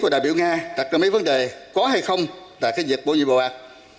đặc biểu nga đặt ra mấy vấn đề có hay không tại việc bổ nhiệm bầu bạc